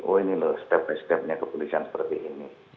oh ini loh step by stepnya kepolisian seperti ini